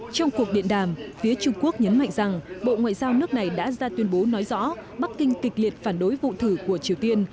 trong cuộc điện đàm phía trung quốc nhấn mạnh rằng bộ ngoại giao nước này đã ra tuyên bố nói rõ bắc kinh kịch liệt phản đối vụ thử của triều tiên